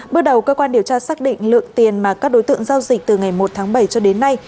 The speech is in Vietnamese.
bước đầu cơ quan điều tra xác định lượng tiền mà các đối tượng giao dịch từ ngày một tháng bảy cho đến nay